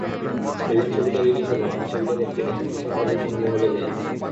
যেদিন ছবিটা রিলিজ হলো, আমি ছবিটা দেখতে এহতেশাম দাদুর সঙ্গে হলে যাই।